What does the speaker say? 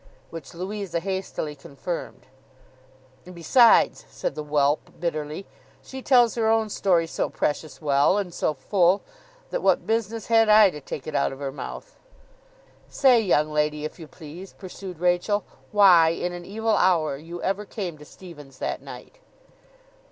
Which Louisa hastily confirmed. 'And besides,' said the whelp bitterly, 'she tells her own story so precious well—and so full—that what business had I to take it out of her mouth!' 'Say, young lady, if you please,' pursued Rachael, 'why, in an evil hour, you ever came to Stephen's that night.